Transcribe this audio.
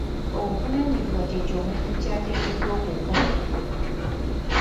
Obuvunaanyizibwa ky'eyo omuntu ky'ateekeddwa okukola.